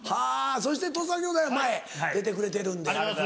そして土佐兄弟は前出てくれてるんで。